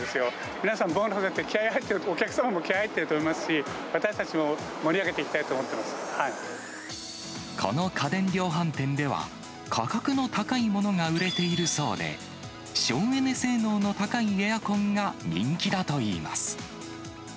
皆さん、ボーナスが出て、お客様も気合い入っていると思いますし、私たちも盛り上げていきこの家電量販店では、価格の高いものが売れているそうで、省エネ性能の高いエアコンが人気だといいます。